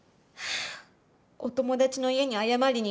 お友達の家に謝りに行った時も。